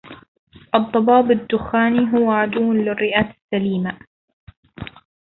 الضباب الدخاني هو عدو للرئات السليمة